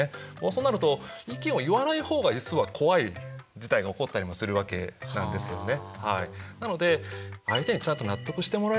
そうなると意見を言わないほうが実は怖い事態が起こったりもするわけなんですよね。